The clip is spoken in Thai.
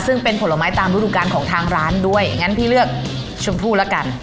ซึ่งเป็นผลไม้ตามฤดูการของทางร้านด้วยอย่างนั้นพี่เลือกชมพู่ละกัน